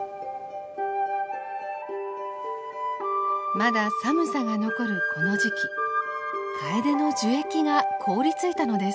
まだ寒さが残るこの時期カエデの樹液が凍りついたのです。